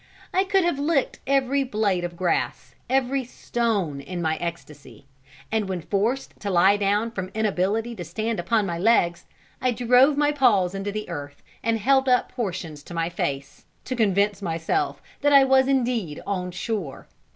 I could have licked every blade of grass, every stone, in my ecstacy; and when forced to lie down from inability to stand upon my legs, I drove my paws into the earth, and held up portions to my face, to convince myself that I was indeed on shore.